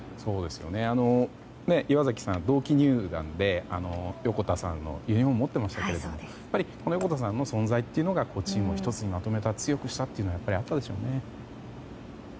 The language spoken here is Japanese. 岩崎さん、同期入団で横田さんのユニホームを持ってましたけれどもやっぱり、横田さんの存在がチームを１つにまとめた強くしたというのはあったんでしょうね。